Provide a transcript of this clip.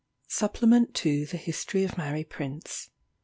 ] SUPPLEMENT TO THE HISTORY OF MARY PRINCE.